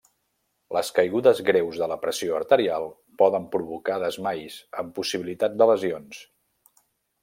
Les caigudes greus de la pressió arterial poden provocar desmais, amb possibilitat de lesions.